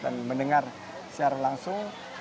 dan mendengar secara langsung